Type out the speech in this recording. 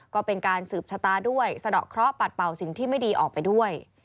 ก็เป็นการสืบชะตาด้วยสะดอกเคราะหัดเป่าสิ่งที่ไม่ดีออกไปด้วย